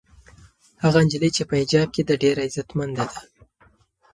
هغه نجلۍ چې په حجاب کې ده ډېره عزتمنده ده.